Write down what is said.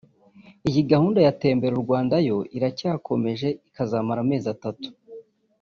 Iyi gahunda ya Tembera u Rwanda yo iracyakomeje ikazamara amezi atatu